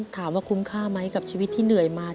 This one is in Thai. ถามว่าคุ้มค่าไหมกับชีวิตที่เหนื่อยมา